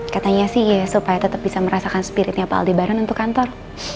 katanya sih supaya tetap bisa merasakan spiritnya pak lebaran untuk kantor